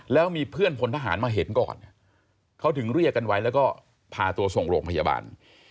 แล้วมีเพื่อนพลทหารมาเห็นก่อนเขาถึงเรียกกันไว้แล้วก็พาตัวส่งโรงพยาบาล